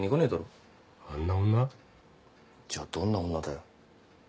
じゃどんな女だよ。